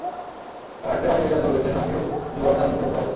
Card পেয়ে অনেকেই জানতে পেরেছেন, আগেও দুবার চাল বিতরণ করা হয়েছে।